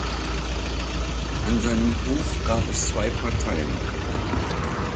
An seinem Hof gab es zwei Parteien.